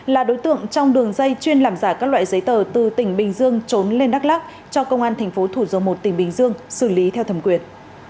là đối tượng trong đường dây chuyên làm giả các loại giấy tờ từ tỉnh bình dương trốn lên đắk lắc cho công an tp thủ dầu một tỉnh bình dương xử lý theo thẩm quyền